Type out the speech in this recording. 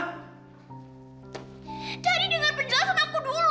daddy dengar perjelasan aku dulu